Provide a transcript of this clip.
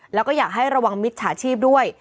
แล้วก็อยากให้ระวังมิจฉาชีพด้วย